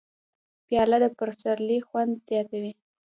پیاله د پسرلي خوند زیاتوي.